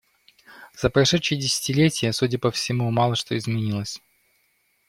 За прошедшее десятилетие, судя по всему, мало что изменилось.